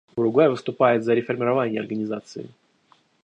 Уругвай выступает за реформирование Организации.